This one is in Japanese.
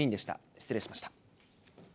失礼しました。